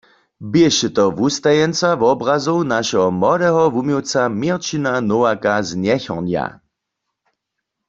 Běše to wustajeńca wobrazow našeho młodeho wuměłca Měrćina Nowaka z Njechornja.